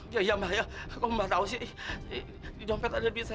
iya iya aku tahu sih di dompet ada bid saya